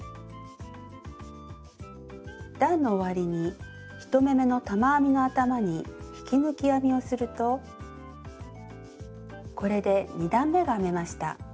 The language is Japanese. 段の終わりに１目めの玉編みの頭に引き抜き編みをするとこれで２段めが編めました。